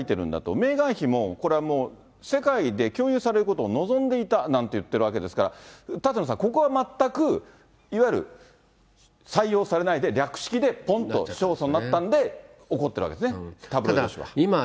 メーガン妃もこれはもう、世界で共有されることを望んでいたなんて言ってるわけですから、舘野さん、ここは全く、いわゆる採用されないで、略式で、ぽんと勝訴になったんで、怒ってるわけですね、タブロイド紙は。